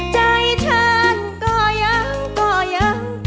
ใช่ค่ะ